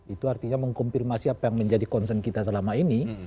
itu artinya mengkompirmasi apa yang menjadi concern kita selama ini